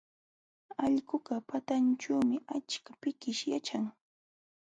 Allqupa patanćhuumi achka pikish yaćhan.